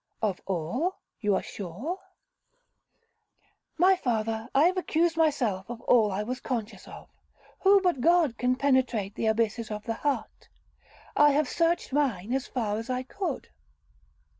'Of all, you are sure?' 'My father, I have accused myself of all I was conscious of. Who but God can penetrate the abysses of the heart? I have searched mine as far as I could.'